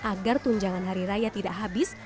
agar tunjangan hari raya tidak habis